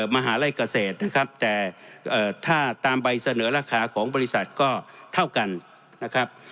มหาลัยเกษตรนะครับแต่ถ้าตามใบเสนอราคาของบริษัทก็เท่ากันนะครับ